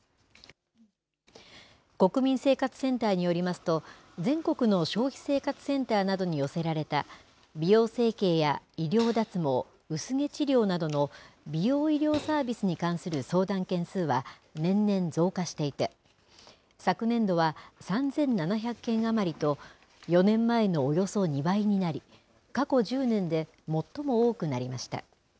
国民生活センターによりますと、全国の消費生活センターなどに寄せられた美容整形や医療脱毛、薄毛治療などの美容医療サービスに関する相談件数は年々増加していて、昨年度は３７００件余りと４年前のおよそ２倍になり、過去１０年で最も多くなりました。